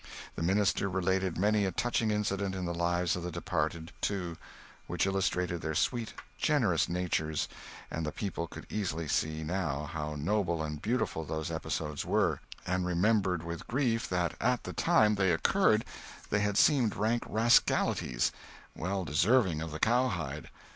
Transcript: The minister related many a touching incident in the lives of the departed, too, which illustrated their sweet, generous natures, and the people could easily see, now, how noble and beautiful those episodes were, and remembered with grief that at the time they occurred they had seemed rank rascalities, well deserving of the cowhide.